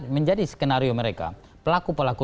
menjadi skenario mereka pelaku pelaku